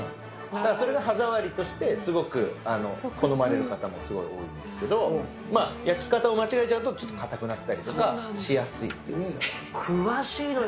だからそれが歯触りとして、すごく好まれる方もすごい多いんですけど、焼き方を間違えちゃうと、ちょっと硬くなったりとかしやすいって詳しいのよ。